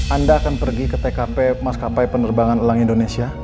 anda akan pergi ke tkp mas kapai penerbangan elang indonesia